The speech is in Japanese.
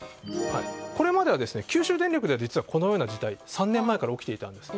これまでは九州電力では実はこのような事態が３年前から起きていたんです。